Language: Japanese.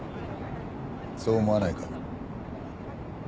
そう思わないか？